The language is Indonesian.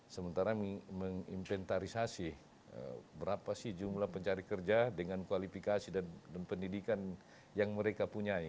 sementara mengimplentarisasi berapa sih jumlah pencari kerja dengan kualifikasi dan pendidikan yang mereka punyai